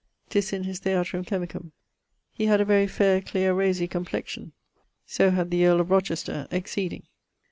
'tis in his Theatrum Chemicum. Hee had a very faire cleare rosie complexion: so had the earl of Rochester, exceeding.